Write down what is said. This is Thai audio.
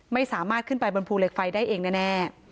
ไม่สามารถขึ้นไปบนภูเหล็กไฟได้เองแน่